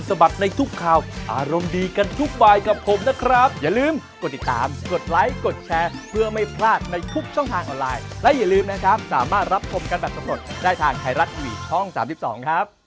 สบายจักคุณผู้ชมรายการต่อไปเปิดปากกับภาคภูมิรออยู่หมดเวลาแล้วต้องลาไปก่อนสวัสดีครับ